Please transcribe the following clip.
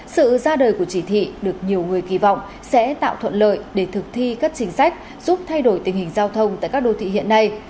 sự ra đời của chỉ thị được nhiều người kỳ vọng sẽ tạo thuận lợi để thực thi các chính sách giúp thay đổi tình hình giao thông tại các đô thị hiện nay